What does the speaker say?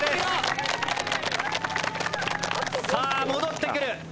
さあ戻ってくる。